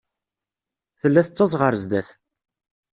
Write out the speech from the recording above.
Tella tettaẓ ɣer sdat.